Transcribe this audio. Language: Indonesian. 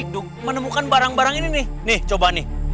kita harus keluar dari rage